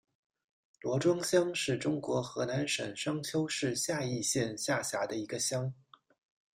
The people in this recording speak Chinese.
罗庄乡是中国河南省商丘市夏邑县下辖的一个乡。